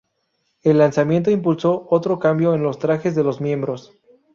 El lanzamiento impulsó otro cambio en los trajes de los miembros.